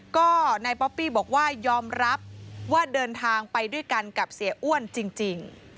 ก็นายป๊อปปี้บอกว่ายอมรับว่าเดินทางไปด้วยกันกับเสียอ้วนจริง